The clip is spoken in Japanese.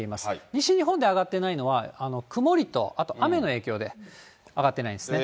西日本で上がってないのは、曇りと、あと雨の影響で上がってないんですね。